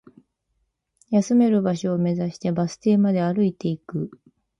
休める場所を目指して、バス停まで歩いていく